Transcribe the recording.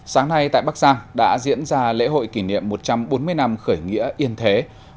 sáng nay tại bắc giang đã diễn ra lễ hội kỷ niệm một trăm bốn mươi năm khởi nghĩa yên thế một nghìn tám trăm tám mươi bốn hai nghìn hai mươi bốn